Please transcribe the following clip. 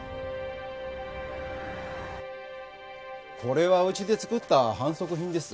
これはうちで作った販促品です。